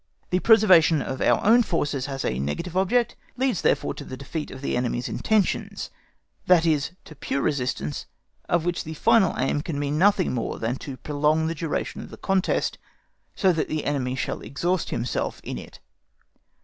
The preservation of our own forces has a negative object, leads therefore to the defeat of the enemy's intentions, that is to pure resistance, of which the final aim can be nothing more than to prolong the duration of the contest, so that the enemy shall exhaust himself in it.